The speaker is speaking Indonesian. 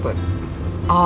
ibu anggap pangeran anak ibu